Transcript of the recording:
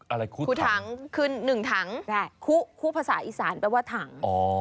อะไรคู่ทั้งคู่ทั้งคือ๑ทั้งคู่คู่ภาษาอีสานแปลว่าทั้ง